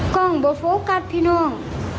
กล้องบ่โฟกัสพี่น้อง